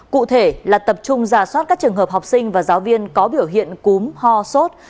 cụ thể là tập trung giả soát các trường hợp học sinh và giáo viên có biểu hiện cúm ho sốt